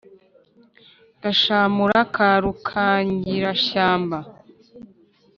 Gashamura ka Rukangirashyamba